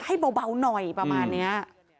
ให้เบาหน่อยประมาณนี้